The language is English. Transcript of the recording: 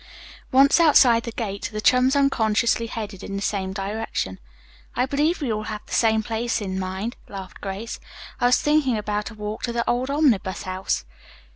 Once outside the gate, the chums unconsciously headed in the same direction. "I believe we all have the same place in mind," laughed Grace. "I was thinking about a walk to the old Omnibus House."